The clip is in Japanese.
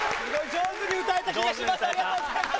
上手に歌えた気がします。